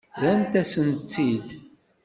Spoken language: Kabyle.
Rrant-asent-tt-id.